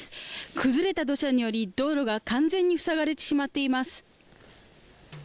崩れた土砂により道路が完全に塞がれてしまっています。